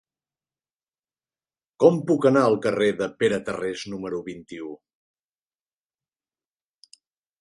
Com puc anar al carrer de Pere Tarrés número vint-i-u?